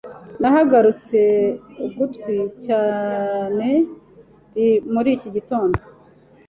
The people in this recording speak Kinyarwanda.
Nahagurutse ugutwi cyanely muri iki gitondo.